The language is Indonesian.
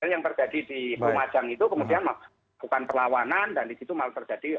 yang terjadi di rumajang itu kemudian melakukan perlawanan dan di situ malah terjadi